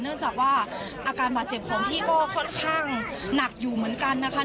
เนื่องจากว่าอาการบาดเจ็บของพี่ก็ค่อนข้างหนักอยู่เหมือนกันนะคะ